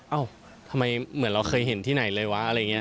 เอ้าทำไมเหมือนเราเคยเห็นที่ไหนเลยวะอะไรอย่างนี้